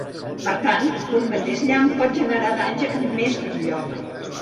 Per tant, un mateix llamp pot generar danys en més d’un lloc.